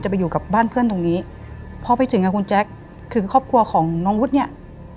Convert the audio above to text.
ไปอยู่กับบ้านเพื่อนตรงนี้พอไปถึงอ่ะคุณแจ๊คคือครอบครัวของน้องวุฒิเนี่ย